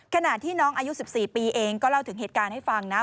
ขณะที่น้องอายุ๑๔ปีเองก็เล่าถึงเหตุการณ์ให้ฟังนะ